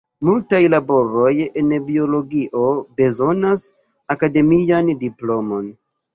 Multaj laboroj en biologio bezonas akademian diplomon.